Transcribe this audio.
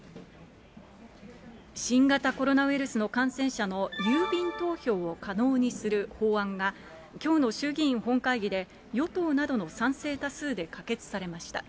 新型コロナウイルスの感染者の郵便投票を可能にする法案が、きょうの衆議院本会議で、与党などの賛成多数で可決されました。